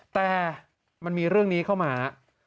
แต่มันมีเรื่องนี้เข้ามา